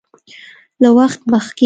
له وخت مخکې